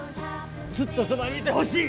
ずっとそばにいてほしい！